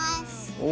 お。